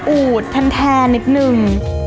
อูดแทนนิดนึง